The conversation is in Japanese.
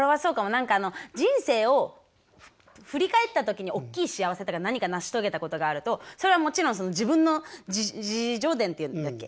何か人生を振り返った時におっきい幸せっていうか何か成し遂げたことがあるとそれはもちろん自分の自叙伝っていうんだっけ？